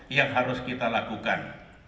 yang harus kita lakukan